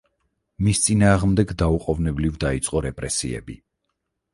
მის წინააღმდეგ დაუყოვნებლივ დაიწყო რეპრესიები.